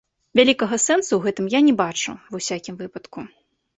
Вялікага сэнсу ў гэтым я не бачу, ва ўсякім выпадку.